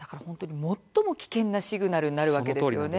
最も危険なシグナルになるわけですね。